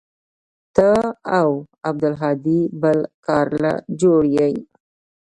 ته او عبدالهادي بل کار له جوړ يې.